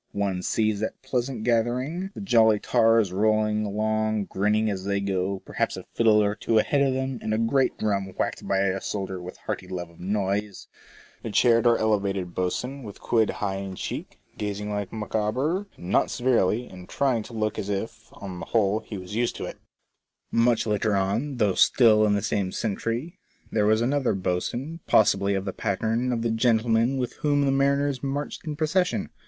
One sees that pleasant gather ing, the jolly tars rolling along, grinning as they go, perhaps a fiddle or two ahead of them, and a great drum whacked by a sailor with hearty love of noise, the chaired or elevated boatswain, with quid high in cheek, gazing like Micawber, *' not severely," and trying to look as if, on the whole, he was used to it. FORECASTLE TBAIT3. 101 Much later on, .though still in the same century, there was another boatswain, possibly of the pattern of the gentleman with whom the mariners marched in pro cession.